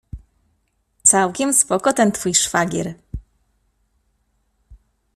Całkiem spoko ten twój szwagier.